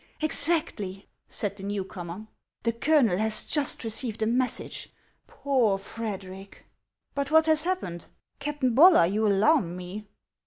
Exactly," said the new comer ;" the colonel has just received a message. Poor Frederic;" " But what lias happened ? Captain Bollar, you alarm me."